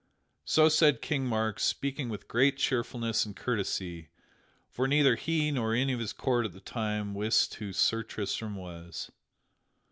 So said King Mark, speaking with great cheerfulness and courtesy; for neither he nor any of his court at that time wist who Sir Tristram was.